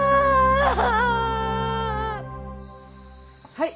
はい。